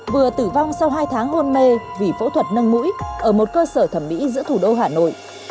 vừa tử vong sau hai tháng hôn mê vì phẫu thuật nâng mũi ở một cơ sở thẩm mỹ giữa thủ đô hà nội